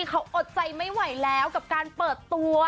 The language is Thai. เขาอดใจไม่ไหวแล้วกับการเปิดตัว